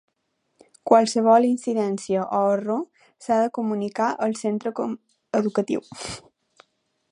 Qualsevol incidència o error s'ha de comunicar al centre educatiu.